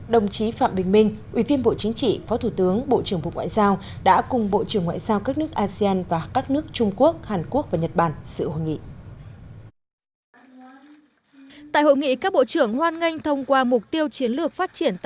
đồng chí phạm bình minh ủy viên bộ chính trị phó thủ tướng bộ trưởng bộ ngoại giao đã cùng bộ trưởng ngoại giao các nước asean và các nước trung quốc hàn quốc và nhật bản sự hội nghị